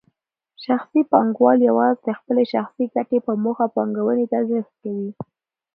شخصي پانګوال یوازې د خپلې شخصي ګټې په موخه پانګونې ته زړه ښه کوي.